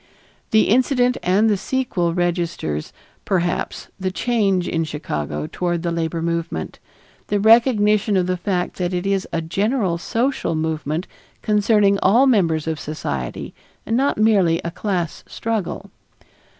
The incident and the sequel registers, perhaps, the change in Chicago toward the labor movement, the recognition of the fact that it is a general social movement concerning all members of society and not merely a class struggle.